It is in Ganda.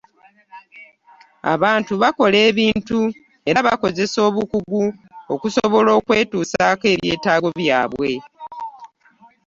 Abantu bakola ebintu era bakozesa obukugu okusobola okwetusaako ebyetaago byabwe.